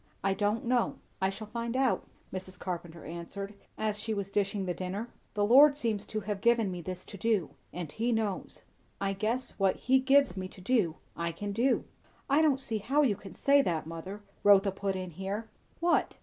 "I don't know. I shall find out," Mrs. Carpenter answered as she was dishing the dinner. "The Lord seems to have given me this to do; and he knows. I guess, what he gives me to do, I can do." "I don't see how you can say that, mother," Rotha put in here. "What?"